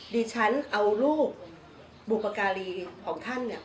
ดิฉันเอารูปบุปการีของท่านเนี่ย